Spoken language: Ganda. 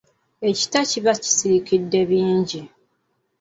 Ekita kiba nsirikiddebingi.